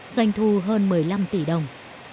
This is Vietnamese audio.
doanh thu hơn một mươi năm tỷ đồng